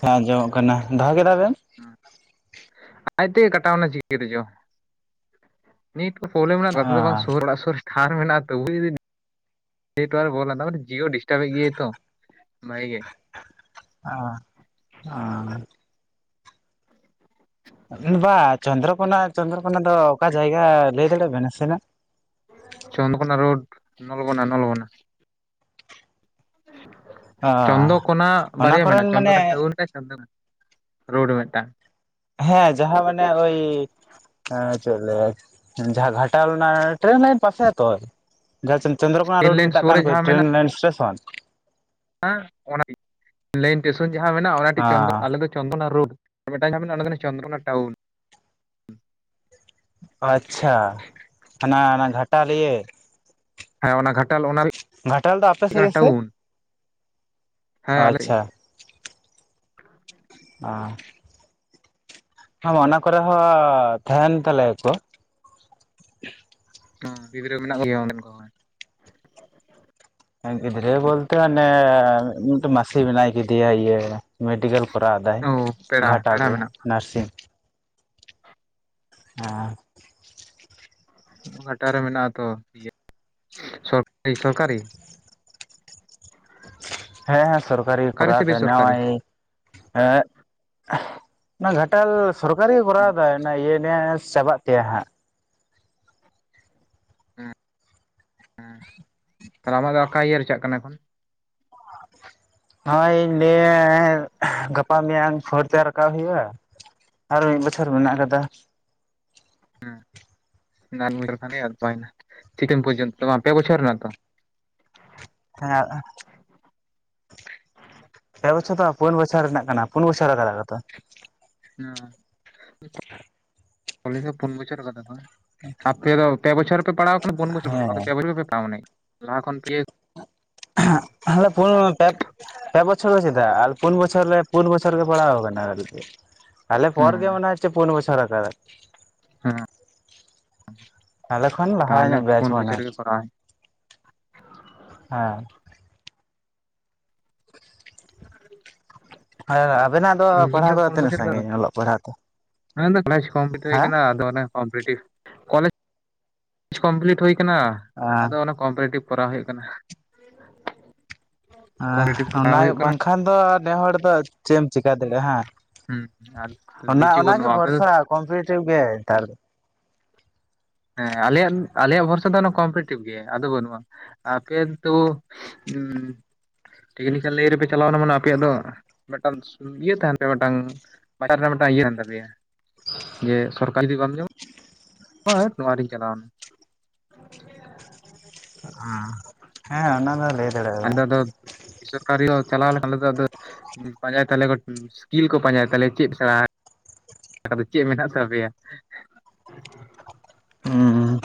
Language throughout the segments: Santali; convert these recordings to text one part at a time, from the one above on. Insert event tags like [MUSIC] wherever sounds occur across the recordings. ᱦᱮᱸ ᱟᱡᱚᱢᱚᱜ ᱠᱟᱱᱟ ᱫᱚᱦᱚ ᱠᱮᱫᱟ ᱵᱮᱱ ᱟᱡᱛᱮ ᱠᱟᱴᱟᱣᱱᱟ ᱪᱤᱠᱟᱹ ᱨᱮᱪᱚ ᱱᱤᱴ ᱠᱚ ᱯᱨᱚᱵᱽᱞᱮᱢ ᱨᱮᱱᱟᱜ ᱠᱟᱛᱷᱟ ᱫᱚ ᱵᱟᱝ ᱥᱩᱨ ᱚᱲᱟᱜ ᱥᱩᱨ ᱴᱷᱟᱨ ᱢᱮᱱᱟᱜ-ᱟ ᱛᱚᱵᱩ ᱡᱩᱫᱤ ᱱᱮᱴᱣᱟᱨᱠ ᱵᱚᱞ ᱛᱮ ᱡᱤᱭᱳ ᱰᱤᱥᱴᱟᱵᱮᱫ ᱜᱮᱭ ᱛᱚ ᱵᱷᱟᱜᱮ ᱜᱮ ᱦᱟ ᱦᱟᱻ [INAUDIBLE] ᱵᱟ ᱪᱚᱱᱫᱨᱚᱠᱚᱱᱟ ᱪᱚᱱᱫᱨᱚᱠᱚᱱᱟ ᱫᱚ ᱚᱠᱟ ᱡᱟᱭᱜᱟ ᱞᱟᱹᱭ ᱫᱟᱲᱮᱭᱟᱜ ᱟᱵᱮᱱ ᱱᱟᱥᱮᱱᱟᱜ ᱪᱟᱫᱨᱚᱠᱳᱱᱟ ᱨᱳᱰ ᱱᱚᱞᱜᱚᱱᱟ ᱚ ᱪᱚᱱᱫᱚ ᱠᱚᱱᱟᱜ ᱚᱱᱟ ᱵᱟᱨᱭᱟ ᱠᱚᱨᱮᱱ ᱢᱮᱱᱟᱜ-ᱟ ᱢᱟᱱᱮ ᱪᱚᱱᱫᱚ ᱨᱳᱰ ᱢᱤᱫ ᱴᱟᱝ ᱦᱮᱸ ᱡᱟᱦᱟᱸ ᱢᱟᱱᱮ ᱳᱭ ᱦᱮᱸ ᱪᱮᱫ ᱞᱟᱹᱭᱟ ᱡᱟᱦᱟᱸ ᱜᱷᱟᱴᱟᱞ ᱨᱮᱱᱟᱜ ᱴᱨᱮᱱ ᱨᱮᱱᱟᱜ ᱯᱟᱥᱮ ᱟᱹᱛᱚ ᱡᱟᱦᱟᱸ ᱪᱚᱱᱫᱨᱚᱠᱚᱱᱟ ᱛᱤᱱ ᱨᱳᱰ ᱞᱟᱹᱭᱤᱱ ᱢᱮᱛᱟᱜ ᱥᱩᱨ ᱠᱟᱱ ᱨᱮ ᱠᱚ ᱴᱨᱮᱱ ᱞᱟᱭᱤᱱ ᱮᱥᱴᱮᱥᱚᱱ ᱦᱮ ᱚᱱᱟ ᱞᱟᱭᱤᱱ ᱴᱮᱥᱚᱱ ᱡᱟᱦᱟᱸ ᱢᱮᱱᱟᱜᱼᱟ ᱚᱱᱟ ᱴᱮᱱ ᱪᱚᱱᱫᱚ ᱦᱚᱸ ᱟᱞᱮ ᱫᱚ ᱪᱚᱱᱫᱨᱚᱱᱟ ᱨᱚᱰ ᱟᱨ ᱢᱤᱫᱴᱟᱝ ᱧᱟᱢ ᱢᱮᱱᱟᱜᱼᱟ ᱱᱚᱸᱰᱮ ᱠᱟᱱᱟ ᱪᱚᱱᱫᱨᱚᱱᱟ ᱴᱟᱣᱩᱱ ᱟᱪᱪᱷᱟ ᱦᱟᱱᱟ ᱚᱱᱟ ᱜᱷᱟᱴᱟ ᱞᱤᱭᱮ ᱦᱮᱸ ᱚᱱᱟ ᱜᱷᱟᱴᱟᱞ ᱚᱱᱟ ᱜᱷᱟᱴᱟᱞ ᱫᱚ ᱟᱯᱮ ᱦᱩᱭᱩᱜ ᱥᱮ ᱠᱟᱱᱟ ᱜᱮ ᱥᱮ? ᱴᱟᱣᱩᱱ ᱦᱮᱸ ᱟᱞᱮ ᱥᱮᱫ ᱟᱪᱪᱷᱟ ᱜᱮ ᱟᱨ ᱦᱮᱸ ᱚᱱᱟ ᱠᱚᱨᱮ ᱦᱚᱸ ᱛᱟᱦᱮᱱ ᱛᱟᱞᱮᱭ ᱟᱠᱚ ᱚ ᱜᱤᱫᱽᱨᱟᱹ ᱢᱮᱱᱟᱜ ᱠᱚ ᱜᱮᱭᱟ ᱚᱸᱰᱮ ᱦᱚᱸ ᱜᱤᱫᱽᱨᱟᱹ ᱵᱚᱞᱛᱮ ᱚᱱᱮ ᱢᱤᱫᱴᱮ ᱢᱟᱹᱥᱤ ᱢᱮᱱᱟᱭ ᱠᱟᱫᱤᱭᱟ ᱢᱮᱰᱮᱞ ᱠᱚᱨᱟᱣ ᱮᱫᱟᱭ ᱚ ᱯᱮᱲᱟ ᱜᱷᱟᱴᱟᱞ ᱯᱮᱲᱟ ᱨᱮ ᱢᱮᱱᱟᱜ ᱱᱟᱨᱥᱤᱝ ᱟᱨ ᱜᱷᱟᱴᱟᱞ ᱨᱮ ᱢᱮᱱᱟᱜ ᱟ ᱛᱚ ᱤᱭᱟᱹ ᱥᱚᱠ ᱥᱚᱨᱠᱟᱨᱤ ᱦᱮᱸ ᱥᱚᱨᱠᱟᱨᱤ ᱠᱚᱨᱟᱣ ᱥᱮ ᱫᱟᱭ ᱵᱮᱥᱚᱨᱠᱟᱨᱤ? ᱱᱚᱜᱼᱚᱭ [UNINTELLIGIBLE] ᱚᱱᱟ ᱜᱷᱟᱴᱟᱞ ᱥᱚᱨᱠᱟᱨᱤ ᱠᱚᱨᱟᱣ ᱫᱟᱭ ᱤᱭᱟᱹ ᱱᱮᱥ ᱪᱟᱵᱟᱜ ᱛᱟᱭᱟ ᱦᱟᱸᱜ ᱦᱩᱸ [INAUDIBLE] ᱛᱟᱦᱚᱞᱮ ᱟᱢᱟᱜ ᱫᱟ ᱚᱠᱟ ᱤᱭᱟᱹ ᱨᱮ ᱪᱟᱞᱟᱜ ᱠᱟᱱᱟ ᱮᱠᱷᱚᱱ ᱦᱳᱭᱧ ᱞᱟᱹᱭ ᱮ ᱜᱟᱯᱟ ᱢᱮᱭᱟᱝ ᱯᱷᱳᱨ ᱛᱮ ᱨᱟᱠᱟᱵ ᱦᱩᱭᱩᱜᱼᱟ ᱟᱨ ᱢᱤᱫ ᱵᱚᱪᱷᱚᱨ ᱢᱮᱱᱟᱜ ᱟᱠᱟᱫᱟ ᱦᱮᱸ ᱱᱟᱱ ᱢᱤ ᱵᱚᱪᱷᱚᱨ ᱠᱷᱟᱱ ᱜᱮ ᱟᱨ ᱪᱟᱵᱟᱭ ᱱᱟ ᱪᱷᱤᱠᱮᱱ ᱯᱚᱨᱡᱚᱱᱛᱟ ᱯᱮ ᱵᱚᱪᱷᱚᱨ ᱨᱮᱱᱟᱜ ᱛᱚ ᱦᱮᱸ ᱯᱮ ᱵᱚᱪᱷᱚᱨ ᱫᱚ ᱵᱟᱝ ᱯᱩᱱ ᱵᱚᱪᱷᱚᱨ ᱨᱮᱱᱟᱜ ᱠᱟᱱᱟ ᱯᱩᱱ ᱵᱚᱪᱷᱚᱨ ᱞᱟᱜᱟᱜᱼᱟ ᱛᱚ ᱦᱮᱸ ᱠᱚᱞᱮᱡᱽ ᱫᱚ ᱯᱩᱱ ᱵᱚᱪᱷᱚᱨ ᱫᱚ ᱞᱟᱜᱟᱜ-ᱟ ᱟᱯᱮ ᱫᱚ ᱯᱮ ᱵᱚᱪᱷᱚᱨ ᱯᱮ ᱯᱟᱲᱟᱣ ᱟᱠᱟᱱᱟ ᱯᱩᱱ ᱵᱚᱪᱷᱚᱨ ᱯᱮ ᱦᱮᱸ ᱵᱚᱪᱷᱚᱨ ᱯᱮ ᱯᱟᱣ ᱢᱟᱱᱮ ᱦᱩᱭᱩᱜ ᱠᱟᱱᱟ ᱞᱟᱦᱟ ᱠᱷᱚᱱ ᱯᱮ ᱠᱟᱱᱟ ᱛᱚ? ᱮᱦᱚᱯ ᱮᱦᱚᱯ ᱯᱩᱱ ᱯᱮ.... ᱯᱮ ᱵᱚᱪᱷᱚᱨ ᱫᱚ ᱪᱮᱫᱟᱜ ᱟᱨ ᱯᱩᱱ ᱵᱚᱪᱷᱚᱨ ᱨᱮ ᱯᱩᱱ ᱵᱚᱪᱷᱚᱨ ᱜᱮ ᱯᱟᱲᱟᱣ ᱟᱠᱟᱱᱟ ᱟᱞᱮ ᱦᱮᱸ ᱯᱚᱨ ᱜᱮ ᱢᱟᱱᱮ ᱦᱳᱪᱮ ᱯᱩᱱ ᱵᱚᱪᱷᱚᱨ ᱟᱠᱟᱫ ᱦᱮᱸ ᱛᱟᱦᱞᱮ ᱠᱷᱚᱱ ᱞᱟᱦᱟ ᱛᱟᱦᱚᱞᱮ ᱧᱚᱸᱜ ᱵᱮᱪ ᱯᱩᱱ ᱢᱟᱱᱮ ᱵᱚᱪᱷᱚᱨ ᱜᱮ ᱦᱳᱪᱷᱮ ᱠᱚᱨᱟᱣ ᱦᱮᱸ [INAUDIBLE] ᱟᱨ ᱟᱵᱮᱱᱟᱜ ᱫᱚ ᱯᱟᱲᱦᱟᱣ ᱤᱧᱡᱤᱱᱤᱭᱟᱨ ᱫᱚ ᱛᱤᱱᱟᱹᱜ ᱥᱟᱺᱜᱤᱧ ᱚᱞᱚᱜ ᱯᱟᱲᱦᱟᱣ ᱫᱚ ᱢᱮᱱ ᱫᱚ ᱠᱚᱞᱮᱡᱽ ᱠᱚᱢᱯᱞᱤᱴ ᱦᱩᱭ ᱦᱮᱸ ᱟᱠᱟᱱᱟ ᱟᱫᱚ ᱚᱱᱮ ᱠᱚᱢᱯᱨᱤᱴᱤᱵᱷ ᱠᱚᱞᱮᱡᱽ ᱠᱚᱢᱯᱞᱤᱴ ᱦᱩᱭ ᱟᱠᱟᱱᱟ ᱟᱫᱚ ᱠᱚᱢᱯᱨᱤᱴᱤᱵᱷᱷ ᱠᱚᱨᱟᱣ ᱦᱩᱭᱩᱜ ᱠᱟᱱᱟ ᱠᱚᱢᱯᱨᱤᱴᱤᱵᱷ ᱠᱚᱨᱟᱣ ᱦᱩᱭᱩᱜ ᱠᱟᱱᱟ ᱠᱷᱟᱱ ᱫᱚ ᱱᱮ ᱦᱚᱲ ᱫᱚ ᱪᱮᱫ ᱮᱢ ᱪᱮᱠᱟ ᱫᱟᱲᱮᱭᱟᱜᱼᱟ ᱦᱟᱸᱜ ᱦᱩᱸ ᱟᱨ ᱚᱱᱟ ᱠᱤᱪᱷᱩ ᱚᱱᱟᱜᱮ ᱵᱟᱹᱱᱩᱜᱼᱟ ᱟᱯᱮ ᱵᱷᱚᱨᱥᱟ ᱠᱚᱢᱯᱨᱤᱴᱤᱵᱷ ᱜᱮ ᱱᱮᱛᱟᱨ ᱫᱚ ᱦᱮᱸ ᱟᱞᱮᱭᱟᱜ ᱟᱞᱮᱭᱟᱜ ᱵᱷᱚᱨᱥᱟ ᱫᱚ ᱠᱚᱢᱯᱨᱤᱴᱤᱵᱷ ᱜᱮ ᱟᱫᱚ ᱵᱟᱹᱱᱩᱜᱼᱟ ᱟᱯᱮ ᱛᱚ ᱦᱩᱸ ᱴᱮᱭᱚᱰᱤᱠᱮᱞ ᱞᱟᱹᱭᱤᱱ ᱨᱮᱯᱮ ᱪᱟᱞᱟᱣ ᱮᱱᱟ ᱢᱟᱱᱮ ᱟᱯᱮᱭᱟᱜ ᱫᱚ ᱢᱤᱫᱴᱟᱝ ᱤᱭᱟᱹ ᱛᱟᱦᱮᱱ ᱛᱟᱯᱮᱭᱟ ᱢᱤᱫᱴᱟᱝ ᱵᱟᱴᱟᱨᱮ ᱢᱤᱫᱴᱟᱝ ᱤᱭᱟᱹ ᱠᱟᱱ ᱛᱟᱯᱮᱭᱟ ᱡᱮ ᱥᱚᱨᱠᱟᱨᱤ ᱡᱩᱫᱤ ᱵᱟᱢ ᱧᱟᱢᱼᱟ [INAUDIBLE] ᱵᱷᱟ. ᱴ ᱱᱚᱶᱟ ᱨᱮᱧ ᱪᱟᱞᱟᱣ ᱮᱱᱟ [UNINTELLIGIBLE] ᱦᱮᱸ ᱚᱱᱟ ᱫᱚ ᱞᱟᱹᱭ ᱫᱟᱲᱮᱭᱟᱜ ᱵᱮᱱ ᱟᱞᱮ ᱫᱚ ᱥᱚᱨᱠᱟᱨᱤ ᱪᱟᱞᱟᱣ ᱞᱮᱱᱠᱷᱟᱱ ᱟᱫᱚ ᱯᱟᱸᱡᱟᱭ ᱛᱟᱞᱮᱭᱟᱠᱚ ᱥᱠᱤᱞ ᱠᱚ ᱯᱟᱸᱡᱟᱭ ᱛᱟᱞᱮᱭᱟ ᱪᱮᱫ ᱥᱮᱬᱟ ᱪᱮᱫ ᱢᱮᱱᱟᱜ ᱛᱟᱯᱮᱭᱟ ᱦᱩᱸ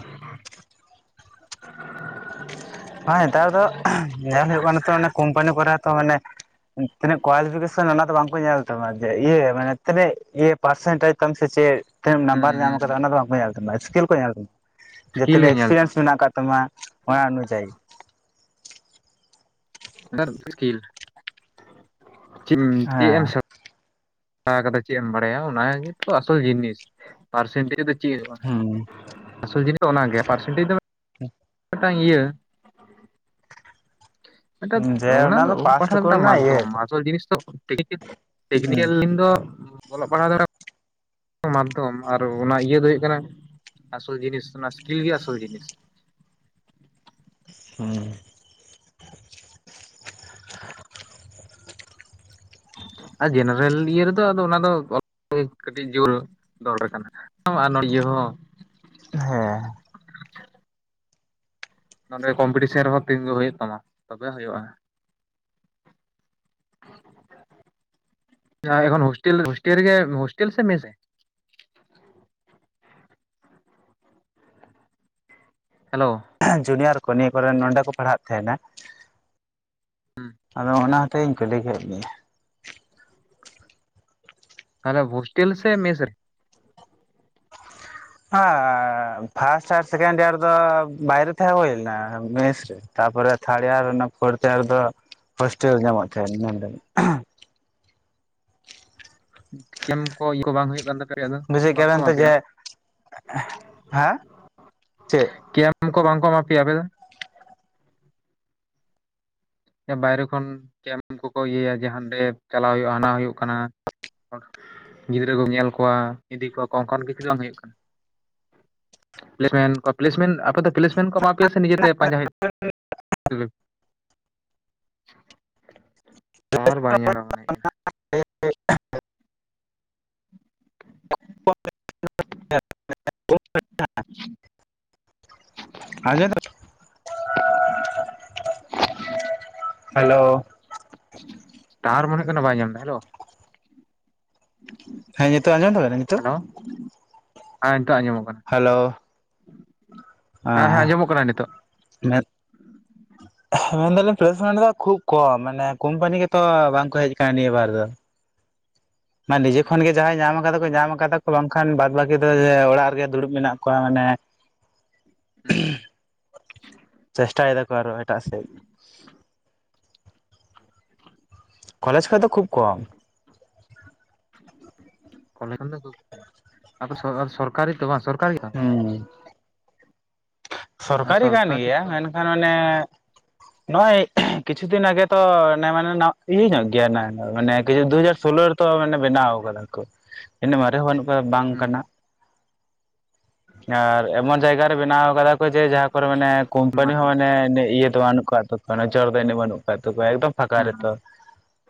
[INAUDIBLE] ᱦᱮᱸ ᱱᱮᱛᱟᱨ ᱫᱚ ᱧᱮᱞ ᱦᱩᱭᱩᱜ ᱠᱟᱱᱟ ᱛᱚ ᱠᱳᱢᱯᱟᱱᱤ ᱠᱚᱨᱮ ᱛᱚ ᱢᱟᱱᱮ ᱛᱤᱱᱟᱹᱜ ᱠᱳᱣᱟᱞᱤᱯᱷᱤᱠᱮᱥᱚᱱ ᱚᱱᱟ ᱫᱚ ᱵᱟᱝᱠᱚ ᱧᱮᱞ ᱛᱟᱢᱟ ᱡᱮ ᱤᱭᱟᱹ ᱢᱟᱱᱮ ᱛᱤᱱᱟᱹᱜᱤᱭᱟᱹ ᱯᱟᱨᱥᱮᱱᱴᱮᱡᱽ ᱛᱟᱢ ᱥᱮ ᱪᱮᱫ ᱛᱤᱱᱟᱹᱜ ᱦᱩᱸ ᱱᱟᱢᱵᱟᱨ ᱧᱟᱢ ᱦᱩᱸ ᱟᱠᱟᱫᱟ ᱚᱱᱟ ᱫᱚ ᱵᱟᱝᱠᱚ ᱧᱮᱞ ᱛᱟᱢᱟ ᱤᱥᱠᱤᱞ ᱠᱚ ᱧᱮᱞᱟ, ᱡᱮ ᱥᱠᱤᱞ ᱛᱤᱱᱟ. ᱠᱚ ᱜ ᱧᱮᱞ ᱮᱠᱥᱯᱮᱨᱤᱭᱮᱱᱥ ᱛᱟᱢᱟ ᱢᱮᱱᱟᱜ ᱟᱠᱟᱫᱟ ᱛᱚᱢᱟᱨ ᱚᱱᱟ ᱩᱱᱩ ᱪ. ᱟᱦᱤ [UNINTELLIGIBLE] ᱥᱠᱤᱞ [UNINTELLIGIBLE] ᱪᱮᱫ ᱮᱢ ᱦᱮᱸ [UNINTELLIGIBLE] ᱥᱮᱬᱟ ᱟᱠᱟᱫᱟ ᱪᱮᱫ ᱮᱢ ᱵᱟᱲᱟᱭᱟ ᱚᱱᱟᱜ ᱜᱮ ᱛᱚ ᱟᱥᱚᱞ ᱡᱤᱱᱤᱥ ᱯᱟᱨᱥᱮᱱᱴᱮᱡᱽ ᱫᱚ ᱪᱮᱫ ᱦᱩᱭᱩᱜ-ᱟ ᱟᱥᱚᱞ ᱡᱤᱱᱤᱥ ᱫᱚ ᱚᱱᱟᱜᱮ ᱯᱟᱨᱥᱮᱱᱴᱮᱡᱽ ᱫᱚ ᱢᱤᱫᱴᱟᱝ ᱤᱭᱟᱹ ᱮᱴᱟᱛ ᱦᱩᱸ ᱡᱮ ᱚᱱᱟ ᱫᱚ ᱯᱟᱥᱴ ᱯᱟᱴᱷᱟᱱ ᱛᱟᱢᱟ ᱠᱚᱨᱮᱱᱟᱜ ᱤᱭᱟᱹ ᱫᱚᱢ ᱢᱟᱫᱽᱫᱷᱚᱢ ᱟᱥᱚᱞ ᱡᱤᱱᱤᱥ ᱛᱚ ᱦᱩᱸ ᱴᱮᱠᱱᱤᱠᱮᱞ ᱞᱟᱤᱱ ᱫᱚ ᱚᱞᱚᱜ ᱯᱟᱲᱦᱟᱣ ᱢᱟᱫᱽᱫᱷᱚᱢ ᱟᱨ ᱚᱱᱟ ᱤᱭᱟᱹ ᱫᱚ ᱦᱩᱭᱩᱜ ᱠᱟᱱᱟ ᱟᱥᱚᱞ ᱡᱤᱱᱤᱥ ᱚᱱᱟ ᱥᱠᱤᱞ ᱜᱮ ᱟᱥᱚᱞ ᱡᱤᱱᱤᱥ ᱦᱩᱸ ᱟᱨ ᱡᱮᱱᱟᱨᱮᱞ ᱤᱭᱟᱹ ᱨᱮᱫᱚ ᱟᱫᱚ ᱚᱱᱟ ᱫᱚ ᱚ ᱠᱟᱹᱴᱤᱡ ᱡᱳᱨ ᱫᱚᱨ ᱠᱟᱱᱟ ᱱᱚ ᱜᱮ ᱦ [UNINTELLIGIBLE] ᱦᱮᱸ ᱱᱚᱰᱮ ᱠᱚᱢᱯᱤᱴᱤᱥᱮᱱ ᱨᱮᱦᱚᱸ ᱛᱤᱸᱜᱩ ᱦᱩᱭᱩᱜ ᱛᱟᱢᱟ ᱛᱚᱵᱮ ᱦᱩᱭᱩᱜᱼᱟ ᱮᱠᱷᱚᱱ ᱦᱳᱥᱴᱮᱞ ᱦᱳᱥᱴᱮᱞ ᱨᱮ ᱜᱮ ᱦᱳᱥᱴᱮᱞ ᱥᱮ ᱢᱮᱥ ᱜᱮ ᱦᱮᱞᱳ ᱡᱩᱱᱤᱭᱟᱨ ᱠᱚ ᱱᱤᱭᱟᱹ ᱠᱚᱨᱮᱱ ᱱᱚᱰᱮ ᱠᱚ ᱯᱟᱲᱦᱟᱜ ᱛᱟᱦᱮᱸᱱᱟ ᱟᱫᱚ ᱚᱱᱟ ᱛᱮᱦᱮᱧ ᱠᱚ ᱞᱟᱹᱭ ᱠᱟᱜ [INAUDIBLE] ᱛᱟᱦᱚᱞᱮ ᱦᱳᱥᱴᱮᱞ ᱥᱮ ᱢᱮᱥ ᱨᱮ ᱟᱜ ᱯᱟᱥ ᱟᱨ ᱥᱮᱴᱮᱱᱰ ᱤᱭᱟᱨ ᱫᱚ ᱵᱟᱭᱨᱮ ᱛᱟᱦᱮᱸ ᱦᱳᱭ ᱞᱮᱱᱟ ᱢᱮᱥ ᱨᱮ ᱛᱟᱨᱯᱚᱨᱮ ᱛᱷᱟᱨᱰ ᱤᱭᱟᱨ ᱯᱷᱳᱨᱛ ᱤᱭᱟᱨ ᱫᱚ ᱦᱳᱥᱴᱮᱞ ᱧᱟᱢᱚᱜ ᱛᱟᱦᱮᱫ ᱠᱮᱢᱯ ᱠᱚ ᱤᱭᱟᱹ ᱠᱚ ᱵᱟᱝ ᱦᱳᱭᱳᱜ ᱠᱟᱱ ᱛᱟᱯᱮᱭᱟ ᱟᱫᱚ ᱵᱩᱡᱷᱮᱫ [UNINTELLIGIBLE] ᱵᱟᱝᱠᱚ ᱠᱮᱭᱟᱵᱱ ᱮᱢᱟ ᱛᱚ ᱯᱮᱭᱟ ᱡᱮ ᱦᱮᱸ ᱪᱮᱫ ᱩᱱᱠᱩ ᱵᱟᱝ ᱠᱚᱢᱟᱯᱤᱭᱟ ᱟᱯᱮᱫᱚ ᱵᱟᱭᱨᱮ ᱠᱷᱚᱱ ᱠᱮᱢᱯ ᱠᱚᱠᱚ ᱤᱭᱟᱹᱭᱟ ᱡᱟᱦᱟᱸ ᱪᱟᱞᱟᱣ ᱦᱩᱭᱩᱜᱼᱟ ᱦᱟᱱᱟ ᱦᱩᱭᱩᱜ ᱠᱟᱱᱟ ᱜᱤᱫᱽᱨᱟᱹ ᱠᱚᱢ ᱧᱮᱞ ᱠᱚᱣᱟ ᱤᱫᱤ ᱠᱚᱣᱟ ᱠᱚ ᱚᱱᱠᱟᱱ ᱠᱤᱪᱷᱩ ᱵᱟᱝ ᱦᱩᱭᱩᱜ ᱠᱟᱱᱟ [UNINTELLIGIBLE] ᱟᱯᱮ ᱫᱚ ᱯᱞᱮᱥᱢᱮᱱᱴ ᱠᱚ ᱮᱢᱟ ᱯᱮᱭᱟ ᱥᱮ ᱱᱤᱡᱮᱛᱮ ᱯᱟᱸᱡᱟ ᱦᱩᱭᱩᱜ ᱴᱟᱣᱟᱨ ᱵᱟᱝ ᱮ ᱧᱟᱢᱟ ᱫᱟ ᱦ [UNINTELLIGIBLE] [UNINTELLIGIBLE] [INAUDIBLE] [UNINTELLIGIBLE] ᱦᱮᱞᱳ ᱴᱟᱣᱟᱨ ᱢᱚᱱᱮ ᱠᱟᱱᱟ ᱵᱟᱭ ᱧᱟᱢ ᱫᱟ ᱦᱮᱞᱳ ᱦᱮ ᱱᱤᱛᱚᱜ ᱟᱸᱡᱚᱢ ᱫᱚᱵᱮᱱᱟ ᱱᱤᱛᱚᱜ ᱦᱮ ᱱᱤᱛᱳᱜ ᱟᱸᱡᱚᱢᱚᱜ ᱠᱟᱱᱟ ᱦᱮᱞᱳ ᱦᱮᱸ ᱦᱮᱸ ᱟᱨ ᱟᱸᱡᱚᱢᱚᱜ ᱠᱟᱱᱟ ᱱᱤᱛᱚᱜ ᱢᱮᱫ ᱢᱮᱱᱫᱟᱞᱤᱧ ᱯᱞᱮᱥᱢᱮᱱᱴ ᱫᱚ ᱠᱷᱩᱵ ᱠᱚᱢ ᱢᱟᱱᱮ ᱠᱳᱢᱯᱟᱱᱤ ᱜᱮᱛᱚ ᱵᱟᱝᱠᱚ ᱦᱮᱡ ᱟᱠᱟᱱᱟ ᱱᱤᱭᱟᱹ ᱵᱟᱨ ᱫᱚ ᱢᱟᱱ ᱱᱤᱡᱮ ᱠᱷᱚᱱᱜᱮ ᱡᱟᱦᱟᱸᱭ ᱧᱟᱢ ᱠᱟᱫᱟ ᱠᱚ ᱧᱟᱢ ᱠᱟᱫᱟ ᱠᱚ ᱵᱟᱝᱠᱷᱟᱱ ᱵᱟᱫ ᱵᱟᱹᱠᱤ ᱫᱚ ᱚᱲᱟᱜ ᱨᱮᱜᱮ ᱫᱩᱲᱩᱵ ᱢᱮᱱᱟᱜ ᱠᱚᱣᱟ ᱢᱟᱱᱮ ᱦᱩᱸ ᱪᱮᱥᱴᱟᱭ ᱫᱟᱠᱚ ᱟᱨᱚ ᱮᱴᱟᱜ ᱥᱮ ᱠᱚᱞᱮᱡᱽ ᱠᱷᱚᱡ ᱫᱚ ᱠᱷᱩᱵ ᱠᱚᱢ ᱥᱚᱨᱠᱟᱨᱤ ᱛᱚ ᱵᱟᱝ ᱥᱚᱨᱠᱟᱨᱤ ᱛᱚ ᱦᱩᱸ ᱥᱚᱨᱠᱟᱨᱤ ᱠᱟᱱ ᱜᱮᱭᱟ ᱢᱮᱱᱠᱷᱟᱱ ᱚᱱᱮ ᱱᱚᱜᱼᱚᱭ ᱠᱤᱪᱷᱩ ᱫᱤᱱ ᱟᱜᱮ ᱛᱚ ᱢᱟᱱᱮ ᱤᱭᱟᱹ ᱧᱚᱜ ᱜᱮᱭᱟ ᱱᱟ ᱢᱟᱱ ᱠᱤᱪᱷᱩ ᱫᱩ ᱦᱟᱡᱟᱨ ᱥᱳᱞᱳ ᱛᱚ ᱢᱟᱱᱮ ᱵᱮᱱᱟᱣ ᱠᱮᱫᱟ ᱠᱚ ᱤᱱᱟ ᱢᱟᱨᱮ ᱦᱚᱸ ᱵᱟᱝ ᱦᱩᱸ ᱠᱟᱱᱟ ᱟᱨ ᱮᱢᱚᱱ ᱡᱟᱭᱜᱟ ᱨᱮ ᱵᱮᱱᱟᱣ ᱟᱠᱟᱫᱟ᱾ ᱡᱮ ᱡᱟᱦᱟᱸ ᱠᱚᱨᱮ ᱢᱟᱱᱮ ᱦᱮᱸ ᱠᱳᱢᱯᱟᱱᱤ ᱦᱚᱸ ᱢᱟᱱᱮ ᱮᱱᱹ ᱤᱭᱟᱹ ᱫᱚ ᱵᱟᱹᱱᱩᱜ ᱟᱠᱟᱫ ᱛᱟᱠᱚᱣᱟ ᱡᱚᱨ ᱫᱚ ᱮᱱᱹᱜ ᱵᱟᱹᱱᱩᱜ ᱟᱠᱟᱫ ᱛᱟᱠᱚᱣᱟ ᱮᱠᱫᱚᱢ ᱯᱷᱟᱸᱠᱟ ᱦᱮᱸ ᱨᱮᱛᱚ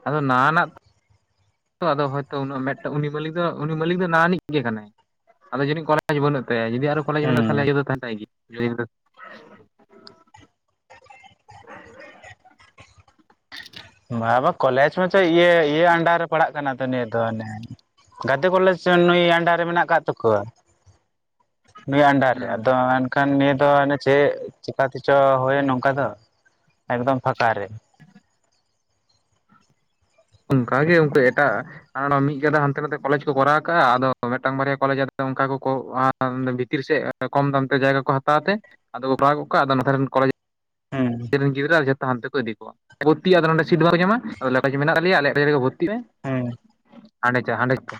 ᱟᱫᱚ ᱱᱟᱟᱱᱟ ᱛᱚ ᱟᱫᱚᱭ ᱦᱚᱭ ᱛᱚ ᱩᱱᱟᱜ ᱩᱱᱤ ᱢᱟᱹᱞᱤᱠ ᱫᱚ ᱱᱟᱱᱤᱡ ᱜᱮ ᱠᱟᱱᱟᱭ᱾ ᱟᱞᱮ ᱡᱟᱹᱱᱤᱡ ᱠᱚᱞᱮᱡᱽ ᱵᱟᱹᱱᱩᱜ ᱛᱟᱭᱟ ᱡᱩᱫᱤ ᱟᱨᱚ ᱠᱚᱞᱮᱡᱽ ᱵᱟᱹᱱᱩᱜ ᱦᱩᱸ [UNINTELLIGIBLE] [INAUDIBLE] ᱟᱵᱚ ᱠᱚᱞᱮᱡᱽ ᱢᱟᱪᱚ ᱤᱭᱟᱹ ᱤᱭᱟᱹ ᱟᱱᱰᱟᱨ ᱨᱮ ᱯᱟᱲᱟᱜ ᱠᱟᱱᱟ ᱛᱚ ᱱᱤᱭᱟᱹ ᱫᱚ ᱚᱱᱮ ᱜᱟᱛᱮ ᱠᱚᱞᱮᱡᱽ ᱱᱩᱭ ᱟᱱᱰᱟᱨ ᱨᱮ ᱢᱮᱱᱟᱜ ᱟᱠᱟᱫ ᱛᱟᱠᱚᱣᱟ ᱱᱩᱭ ᱟᱱᱰᱟᱨ ᱨᱮ ᱟᱫᱚ ᱮᱠᱷᱟᱱ ᱱᱤᱭᱟᱹ ᱫᱚ ᱚᱱᱮ ᱪᱮᱫᱴᱜ ᱪᱮᱠᱟᱛᱮᱪᱚ ᱦᱳᱭᱟ ᱱᱚᱝᱠᱟ ᱫᱚ ᱮᱠᱫᱚᱢ ᱯᱷᱟᱠᱟ ᱨᱮ᱾ ᱚᱱᱠᱟᱜᱮ ᱩᱱᱠᱩ ᱮᱴᱟᱜ ᱟᱨ ᱢᱤᱫ ᱜᱟᱫᱟ ᱦᱟᱱᱛᱮ ᱱᱟᱛᱮ ᱠᱚᱞᱮᱡᱽ ᱠᱚ ᱠᱚᱨᱟᱣ ᱠᱟᱜᱼᱟ ᱟᱫᱚ ᱢᱤᱫᱴᱟᱝ ᱵᱟᱨᱭᱟ ᱠᱚᱞᱮᱡ ᱟᱫᱚ ᱚᱱᱠᱟ ᱠᱚ ᱵᱷᱤᱛᱤᱨ ᱥᱮᱫ ᱠᱚᱢ ᱫᱟᱢ ᱛᱮ ᱡᱟᱭᱜᱟ ᱠᱚ ᱦᱟᱛᱟᱣ ᱛᱮ ᱟᱫᱚ ᱠᱚ ᱠᱚᱨᱟᱣ ᱠᱚᱜ ᱠᱚᱣᱟ ᱟᱫᱚ ᱱᱚᱛᱮ ᱨᱮᱱ ᱠᱚᱞᱮᱡᱽ ᱦᱩᱸ ᱨᱮᱱ ᱜᱤᱫᱽᱨ ᱟᱨ ᱡᱚᱛᱚ ᱦᱟᱱᱛᱮ ᱠᱚ ᱤᱫᱤ ᱠᱚᱣᱟ ᱵᱷᱚᱨᱛᱤᱜ ᱟᱫᱚ ᱱᱚ ᱥᱤᱴ ᱵᱟᱠᱚ ᱧᱟᱢᱟ ᱟ ᱞᱮᱠᱟ ᱢᱮᱱᱟᱜ ᱞᱮᱭᱟ ᱟᱞᱮᱭᱟᱜ ᱨᱮᱜᱮ ᱵᱷᱚᱨᱛᱤ᱾ ᱵᱷᱚᱨᱛᱤ ᱦᱩᱸ ᱯᱮ ᱦᱟᱸᱰᱮ ᱪᱚ ᱦᱟᱸ ᱰᱮ ᱯᱮᱨᱤ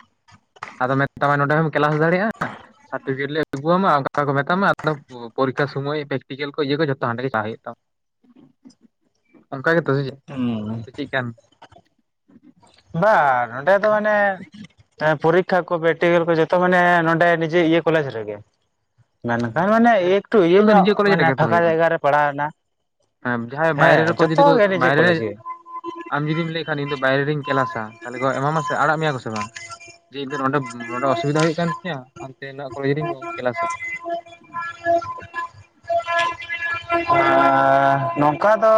ᱟᱫᱚ ᱢᱮᱛᱟᱢᱟ ᱱᱚᱸᱰᱮ ᱦᱚᱸᱢ ᱠᱮᱞᱟᱥ ᱫᱟᱲᱮᱭᱟᱜᱼᱟ᱾ ᱥᱟᱨᱯᱷᱤᱠᱮᱴ ᱞᱮ ᱟᱜᱩ ᱟᱢᱟ ᱚᱱᱠᱟ ᱠᱚ ᱢᱮᱛᱟᱢᱟ ᱟᱫᱚ ᱯᱚᱨᱤᱠᱠᱷᱟ ᱥᱚᱢᱚᱭ ᱯᱮᱠᱴᱤᱠᱮᱞ ᱠᱚ ᱤᱭᱟᱹ ᱠᱚ ᱡᱚᱛᱚ ᱦᱟᱸᱰᱮ ᱜᱮ ᱯᱟᱦ ᱦᱩᱭᱩᱜ ᱛᱟᱢ᱾ ᱚᱱᱠᱟ ᱜᱮ ᱛᱚ ᱥᱮ ᱪᱮᱫ ᱾ ᱦᱩᱸ ᱵᱟᱝ ᱚᱸᱰᱮ ᱫᱚ ᱢᱟᱱᱮ ᱮᱸ ᱯᱚᱨᱤᱠᱠᱷᱟ ᱠᱚ ᱯᱨᱮᱠᱴᱤᱠᱮᱞ ᱠᱚ ᱡᱚᱛᱚ ᱢᱟᱱᱮ ᱱᱚᱰᱮ ᱱᱤᱡᱮ ᱤᱭᱟᱹ ᱠᱚᱞᱮᱡᱽ ᱨᱮᱜᱮ᱾ ᱢᱮᱱᱠᱷᱟᱱ ᱢᱟᱱᱮ ᱦᱮᱸ ᱮᱠᱴᱩ ᱤᱭᱟᱹ ᱯᱨᱮᱠᱴᱤᱠᱮᱞ ᱫᱚ ᱧᱚᱜ ᱱᱤᱡᱮ ᱠᱚᱞᱮᱡᱽ ᱢᱟᱱᱮ ᱨᱮᱜᱮ ᱛᱚ ᱯᱷᱟᱸᱠᱟ ᱦᱩᱭᱩᱜᱼᱟ ᱡᱟᱭᱜᱟ ᱨᱮ ᱯᱟᱲᱟᱣ ᱮᱱᱟ᱾ ᱦᱮᱸ ᱡᱟᱦᱟᱸᱭ ᱦᱮᱸ ᱵᱟᱭᱨᱮ ᱨᱮᱠᱚ ᱡᱩᱫᱤ ᱡᱚᱛᱚ ᱠᱚ ᱜᱮ ᱱᱤᱡᱮ ᱵᱟᱭᱨᱮ ᱨᱮ ᱠᱚᱞᱮᱡᱽ ᱜᱮ᱾ ᱟᱢ ᱡᱩᱫᱤᱢ ᱞᱟᱹᱭ ᱠᱷᱟᱱ ᱤᱧ ᱫᱚ ᱵᱟᱭᱨᱮ ᱨᱮᱧ ᱠᱮᱞᱟᱥᱟ ᱛᱟᱦᱚᱞᱮ ᱜᱚ ᱮᱢᱟᱢᱟ ᱥᱮ ᱟᱲᱟᱜ ᱢᱮᱭᱟ ᱠᱚᱥᱮ ᱵᱟᱝ? ᱡᱮ ᱤᱧ ᱫᱚ ᱱᱚᱸᱰᱮᱵ ᱱᱚᱸᱰᱮ ᱚᱥᱩᱵᱤᱫᱟ ᱦᱩᱭᱩᱜ ᱠᱟᱱ ᱛᱤᱧᱟᱹ ᱦᱟᱱᱛᱮ ᱠᱚᱞᱮᱡᱽ ᱨᱤᱧ ᱚᱞ ᱠᱮᱞᱟᱥᱮᱫ [INAUDIBLE] ᱮᱸ ᱱᱚᱝᱠᱟ ᱫᱚ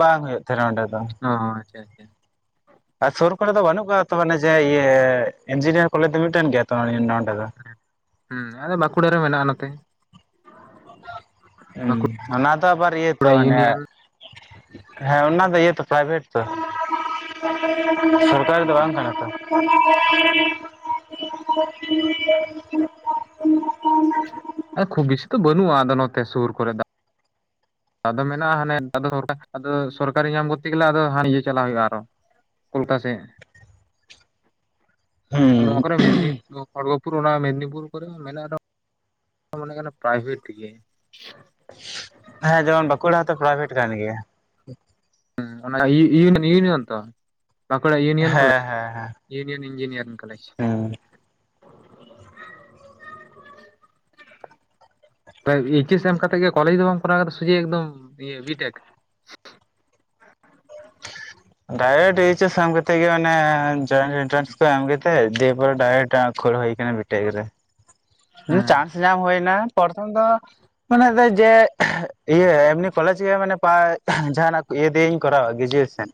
ᱵᱟᱝ ᱦᱩᱭᱩᱜ ᱛᱟᱦᱮᱸᱱᱟ ᱱᱚᱸᱰᱮ ᱫᱚ᱾ ᱦᱚᱸ ᱦᱚᱸ ᱟᱪᱪᱷᱟ ᱟᱪᱪᱷᱟ ᱟᱨ ᱥᱩᱨ ᱠᱚᱨᱮ ᱫᱚ ᱵᱟᱹᱱᱩᱜ ᱠᱚᱣᱟ ᱛᱚ ᱢᱟᱱᱮ ᱡᱮ ᱤᱭᱟᱹ ᱤᱧᱡᱤᱱᱤᱭᱟᱨ ᱠᱚᱞᱮᱡᱽ ᱫᱚ ᱢᱤᱫᱴᱮᱱ ᱜᱮᱭᱟ ᱛᱚ ᱱᱚᱸᱰᱮ ᱫᱚ᱾ ᱦᱮᱸ ᱟᱞᱮ ᱵᱟᱸᱠᱩᱲᱟ ᱨᱮ ᱢᱮᱱᱟᱜᱼᱟ ᱱᱚᱛᱮ᱾ ᱦᱩᱸ ᱵᱟᱸᱠᱩᱲᱟ ᱚᱱᱟ ᱫᱚ ᱟᱵᱟᱨ ᱤᱭᱟᱹ ᱛᱚ ᱚᱱᱮ ᱤᱭᱩᱱᱤᱭᱚᱱ ᱦᱮᱸ ᱚᱱᱟ ᱫᱚ ᱤᱭᱟᱹ ᱛᱚ ᱯᱨᱟᱭᱵᱷᱮᱴ ᱛᱚ ᱥᱚᱨᱠ ᱚᱠᱟᱨᱮ ᱫᱚ ᱵᱟᱝ ᱠᱟᱱᱟ ᱛᱚ᱾ ᱠᱷᱩᱵ ᱵᱮᱥᱤ ᱛᱚ ᱵᱟᱹᱱᱩᱜᱼᱟ ᱟᱫᱚ ᱱᱚᱛᱮ ᱥᱩᱨ ᱠᱚᱨᱮ ᱫᱚ᱾ ᱟᱫᱚ ᱢᱮᱱᱟᱜᱼᱟ ᱦᱟᱱᱮ ᱟᱫᱚ ᱥᱚᱨᱠᱟᱨᱤ ᱧᱟᱢ ᱜᱚᱛᱮ ᱜᱮᱞᱮ ᱟᱫᱚ ᱦᱟᱱᱮ ᱤᱭᱟᱹ ᱪᱟᱞᱟᱜ ᱦᱩᱭᱩᱜᱼᱟ ᱟᱨᱚ᱾ ᱠᱳᱞᱛᱟ ᱥᱮᱜ᱾ [UNINTELLIGIBLE] ᱟᱨ ᱱᱚᱣᱟ ᱠᱚᱨᱮ ᱢᱮᱫᱽᱱᱤ ᱠᱷᱚᱲᱜᱚᱯᱩᱨ ᱚᱱᱟ ᱢᱮᱫᱽᱱᱤᱯᱩᱨ ᱠᱚᱨᱮ ᱦᱚᱸ ᱢᱮᱱᱟᱜᱼᱟ᱾ ᱢᱚᱱᱮ ᱠᱟᱱᱟ ᱯᱨᱟᱭᱵᱷᱮᱴ ᱛᱮᱜᱮ᱾ ᱦᱮᱸ ᱡᱮᱢᱚᱱ ᱵᱟᱸᱠᱩᱲᱟ ᱦᱚᱸᱛᱚ ᱯᱨᱟᱭᱵᱷᱮᱴ ᱠᱟᱱ ᱜᱮᱭᱟ᱾ ᱦᱮᱸ ᱚᱱᱟ ᱤᱭᱩᱱᱤᱭᱚᱱ ᱠᱟᱱ ᱛᱚ ᱵᱟᱠᱩᱲᱟ ᱭᱩᱱᱤᱭᱚᱱ ᱠᱚᱞᱮᱡᱽ ᱦᱮᱸ ᱦᱮᱸ ᱦᱮᱸ ᱤᱭᱩᱱᱤᱭᱚᱱ ᱤᱧᱡᱤᱱᱤᱭᱟᱨᱤᱝ ᱠᱟ ᱠᱚᱞᱮᱡᱽ ᱦᱩᱸ [UNINTELLIGIBLE] ᱛᱟᱞᱮ ᱮᱪᱮᱥ ᱮᱢ ᱠᱟᱛᱮᱜ ᱜᱮ ᱠᱚᱞᱮᱡᱽ ᱫᱚ ᱵᱟᱢ ᱠᱚᱨᱟᱣ ᱠᱟᱫᱟ ᱥᱚᱡᱷᱮ ᱮᱠᱫᱚᱢ ᱤᱭᱟ. ᱵᱤᱴᱮᱠ? ᱰᱟᱭᱨᱮᱠᱴ ᱤᱭᱮᱪᱮᱥ ᱮᱢ ᱠᱟᱛᱮ ᱜᱮ ᱢᱟᱱᱮ ᱡᱚᱭᱮᱱᱮᱱᱴᱨᱟᱱᱥ ᱮᱢ ᱠᱮᱫᱟ ᱾ ᱥᱮ ᱫᱮᱵᱽᱜᱷᱚᱨ ᱰᱟᱭᱨᱮᱠᱴ ᱟᱸᱠᱷᱚᱲ ᱦᱩᱭ ᱠᱟᱱᱟ ᱵᱤᱴᱮᱠ ᱨᱮ᱾ ᱦᱮᱸ ᱪᱟᱥ ᱧᱟᱢ ᱦᱩᱭᱱᱟ ᱯᱨᱚᱛᱷᱚᱢ ᱫᱚ ᱢᱟᱱᱮ ᱡᱮ ᱤᱭᱟᱹ ᱮᱢᱱᱤ ᱠᱚᱞᱮᱡᱽ ᱜᱮ ᱢᱟᱱᱮ ᱯᱟ ᱡᱟᱦᱟᱱᱟᱜ ᱤᱭᱟᱹ ᱫᱤᱭᱮᱧ ᱠᱚᱨᱟᱣᱟ ᱜᱨᱡᱩᱭᱮᱥᱮᱱ᱾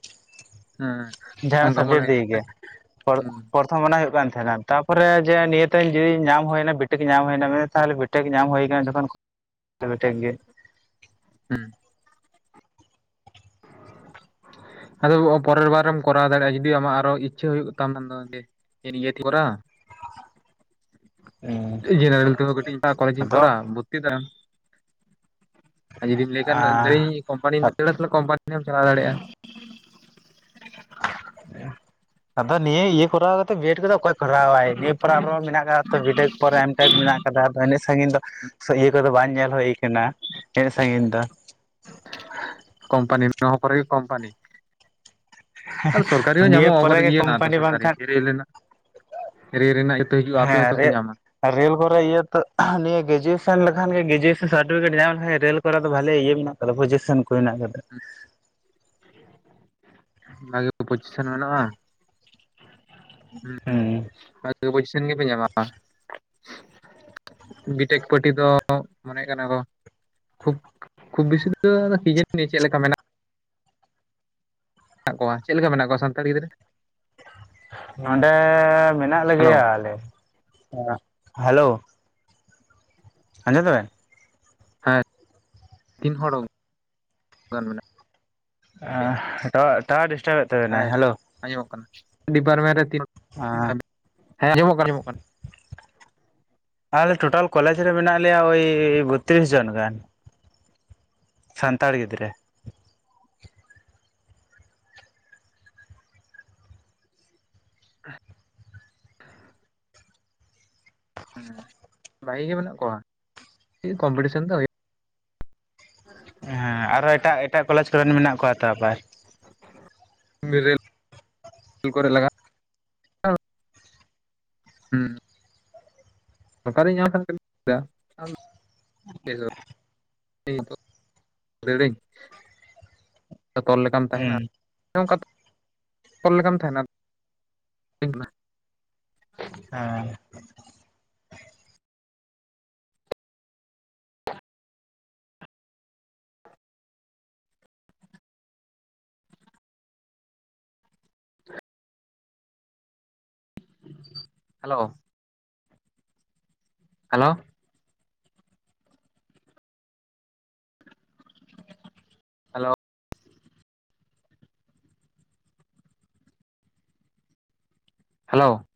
ᱦᱮᱸ ᱡᱟᱦᱟᱸ ᱚᱱᱠᱟ ᱢᱚᱱᱮ ᱥᱟᱵᱡᱮᱠᱴ ᱦᱩᱭ ᱫᱤᱭᱮ ᱞᱮᱱᱟ ᱜᱮ ᱦᱩᱸ ᱦᱚᱲ ᱠᱚ ᱢᱟᱱᱟ ᱦᱩᱭᱩᱜ ᱠᱟᱱ ᱛᱟᱦᱮᱱᱟ ᱛᱟᱯᱚᱨᱮ ᱡᱮ ᱱᱤᱭᱟᱹ ᱛᱮ ᱡᱩᱫᱤ ᱧᱟᱢ ᱦᱩᱭᱮᱱᱟ ᱵᱤᱴᱠ ᱧᱟᱢ ᱦᱩᱭᱱᱟ ᱢᱮᱱ ᱛᱟᱦᱚᱞᱮ ᱵᱤᱴᱮᱠ ᱧᱟᱢ ᱦᱩᱭᱟᱱᱟ ᱡᱚᱠᱷᱚᱱ ᱵᱴᱮᱠ ᱜᱮ [INAUDIBLE] ᱦᱩᱸ ᱟᱫᱚ ᱯᱚᱨᱮᱨ ᱵᱟᱨᱮᱢ ᱠᱚᱨᱟᱣ ᱫᱟᱲᱮᱭᱟᱜᱼᱟ ᱡᱩᱫᱤ ᱟᱢᱟᱜ ᱟᱨᱚ ᱤᱪᱪᱷᱟᱹ ᱦᱩᱭᱩᱜ ᱠᱟᱱ ᱛᱟᱢᱟ ᱤᱭᱟᱹ ᱠᱚᱨᱟᱣᱟ ᱡᱮᱱᱟᱨᱮᱞ ᱛᱮ ᱠᱟᱹᱴᱤᱡ ᱠᱚᱞᱮᱡᱽ ᱤᱧ ᱟᱫᱚ ᱠᱚᱨᱟᱣ ᱟ [UNINTELLIGIBLE] ᱟᱨ ᱡᱩᱫᱤᱢ ᱞᱟᱹᱭ ᱠᱷᱟᱱ ᱞᱟᱹᱭᱤᱧ ᱠᱚᱢᱯᱟᱱᱤ [UNINTELLIGIBLE] ᱠᱚᱢᱯᱟᱱᱤ [UNINTELLIGIBLE] ᱪᱟᱞᱟᱣ ᱫᱟᱲᱭᱟᱜᱼᱟ ᱟᱫᱚ ᱱᱤᱭᱟᱹ ᱤᱭᱟᱹ ᱠᱚᱨᱟᱣ ᱠᱟᱛᱮ ᱵᱤ. ᱮᱰ. ᱠᱮᱫᱟᱢ ᱚᱠᱚᱭ ᱠᱚᱨᱟᱣᱟᱭ ᱱᱤᱭᱟᱹ ᱯᱚᱨᱮ ᱟᱨᱦᱚ ᱢᱮᱱᱟᱜ ᱟᱠᱟᱫᱟ ᱛᱚ ᱵᱤ ᱴᱮᱠ ᱯᱚᱨᱮ ᱮᱢᱴᱮᱠ ᱢᱮᱱᱟᱜ ᱠᱚᱫᱟ ᱟᱫᱚ ᱤᱱᱟᱹᱜ ᱥᱟᱺᱜᱤᱧ ᱫᱚ ᱤᱭᱟᱹ ᱠᱚᱫᱚ ᱵᱟᱝ ᱧᱮᱞ ᱦᱩᱭ ᱠᱟᱱᱟ ᱤᱱᱟᱹᱜ ᱥᱟᱺᱜᱤᱧ ᱫᱚ ᱠᱚᱢᱯᱟᱱᱤ ᱱᱚᱣᱟ ᱦᱚᱸ ᱯᱚᱨᱮ ᱠᱚᱢᱯᱟᱱᱤ᱾ ᱟᱫᱚ ᱥᱚᱨᱠᱟᱨᱤ ᱦᱚᱸ ᱱᱤᱭᱟᱹ ᱧᱟᱢᱚᱜᱼᱟ ᱯᱚᱨᱮ ᱟᱵᱟᱨ ᱜᱮ ᱤᱭᱟᱹ ᱠᱳᱢᱯᱟᱱᱤ ᱥᱚᱨᱠᱟᱨᱤ ᱵᱟᱝᱠᱷᱟᱱ ᱠᱤᱨᱮᱭᱳᱞᱤᱱᱟᱜ ᱾ ᱨᱮᱞ ᱨᱮᱱᱟᱜ [UNINTELLIGIBLE] ᱦᱤᱡᱩᱜᱼᱟ ᱟᱯᱮ ᱦᱚᱸᱛᱚᱯᱮ ᱧᱟᱢᱟ ᱟᱨ ᱨᱮᱹᱞ ᱠᱚᱨᱮ ᱤᱭᱟᱹ ᱛᱚ ᱱᱤᱭᱟᱹ ᱜᱮᱨᱮᱡᱩᱭᱮᱥᱮᱱ ᱞᱮᱠᱷᱟᱱ ᱜᱮ ᱜᱮᱨᱮᱡᱩᱭᱮᱥᱚᱱ ᱥᱟᱨᱴᱤᱯᱷᱤᱠᱮᱴ ᱧᱟᱢ ᱞᱮᱠᱷᱟᱱᱡ ᱨᱮᱹᱞ ᱠᱚᱨᱮ ᱫᱚ ᱵᱷᱟᱞᱮ ᱤᱭᱟᱹ ᱢᱮᱱᱟᱜᱼᱟ ᱟᱫᱚ ᱯᱚᱡᱮᱥᱮᱱ ᱠᱚ ᱦᱮᱱᱟᱜ ᱟᱠᱟᱫᱟ ᱚᱱᱟ ᱜᱮ ᱯᱚᱸᱪᱤᱥᱮᱱ ᱵᱟᱱᱩᱜᱼᱟ ᱦᱩᱸ ᱵᱷᱟᱜᱮ ᱯᱚᱡᱤᱥᱚᱱ ᱜᱮᱯᱮ ᱧᱟᱢᱟ ᱵᱤᱴᱮᱠ ᱯᱟᱴᱤ ᱫᱚ ᱢᱚᱱᱮ ᱠᱟᱱᱟ ᱠᱚ ᱠᱷᱩᱵ ᱠᱷᱩᱵ ᱵᱮᱥᱤ ᱫᱚ ᱠᱤ ᱡᱟᱹᱱᱤ ᱪᱮᱫ ᱞᱮᱠᱟ ᱢᱮᱱᱟᱜᱼᱟ ᱢᱮᱱᱟᱜ ᱠᱚᱣᱟ ᱪᱮᱫ ᱞᱮᱠᱟ ᱢᱮᱱᱟᱜ ᱠᱚᱣᱟ ᱥᱟᱱᱛᱟᱲ ᱜᱤᱫᱽᱨᱟᱹ ᱱᱚᱸᱰᱮ ᱢᱮᱱᱟᱜ ᱦᱮᱞᱳ ᱞᱮᱜᱮᱭᱟ ᱟᱞᱮ ᱦᱮᱞᱳ ᱟᱸᱡᱚᱢ ᱫᱟᱵᱮᱱ ᱦᱮᱸ ᱛᱤᱱ ᱦᱚᱲ ᱜᱟᱱ ᱢᱮᱱᱟᱜ ᱯᱮᱭᱟ ᱮᱸ ᱴᱟᱣᱟᱨ ᱰᱤᱥᱴᱟᱵᱮᱫ ᱛᱟᱵᱮᱱᱟ ᱦᱮᱸ ᱦᱮᱞᱳ ᱟᱸᱡᱚᱢᱚᱜ ᱠᱟᱱᱟ ᱰᱤᱯᱟᱨᱢᱮᱱᱴ ᱨᱮ ᱛᱤᱱ [UNINTELLIGIBLE] ᱦᱮᱸ ᱟᱸᱡᱚᱢᱚᱜ ᱠᱟᱱᱟ ᱟᱡᱚᱢᱚᱜ ᱠᱟᱱᱟ ᱟᱞᱮ ᱴᱳᱴᱟᱞ ᱠᱚᱞᱮᱡᱽ ᱨᱮ ᱢᱮᱱᱟᱜ ᱞᱮᱭᱟ ᱳᱭ ᱵᱚᱛᱛᱨᱤᱥ ᱡᱚᱱ ᱜᱟᱱ ᱥᱟᱱᱛᱟᱲ ᱜᱤᱫᱽᱨᱟᱹ ᱦ ᱵᱷᱟᱜᱤ ᱜᱮ ᱢᱮᱱᱟᱜ ᱠᱚᱣᱟ ᱠᱚᱢᱯᱤᱴᱤᱥᱮᱱ ᱫᱚ ᱦᱩᱭᱩᱜ ᱦᱮᱸ ᱟᱨᱚ ᱮᱴᱟᱜ ᱮᱴᱟᱜ ᱠᱚᱞᱮᱡᱽ ᱠᱚᱨᱮᱱ ᱢᱮᱱᱟᱜ ᱠᱚᱣᱟ ᱛᱚ ᱟᱵᱟᱨ ᱨᱮᱞ ᱠᱚᱨᱮ ᱞᱟᱜᱟᱣ ᱦᱩᱸ ᱱᱚᱝᱠᱟᱨᱤᱧ ᱧᱟᱢ ᱠᱷᱟᱱ [UNINTELLIGIBLE] [UNINTELLIGIBLE] ᱫᱟᱹᱲᱟᱹᱧ ᱛᱚᱞ ᱞᱮᱠᱟᱢ ᱛᱟᱦᱮᱱᱟ ᱦᱩᱸ [UNINTELLIGIBLE] ᱚᱱᱠᱟ ᱛᱚᱞ ᱞᱮᱠᱟᱢ ᱛᱟᱦᱮᱱᱟ ᱦᱮᱸ ᱦᱮᱞᱳᱣ ᱦᱮᱞᱳ ᱦᱮᱞᱳ ᱦᱮᱞᱳᱣ